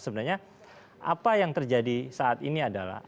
sebenarnya apa yang terjadi saat ini adalah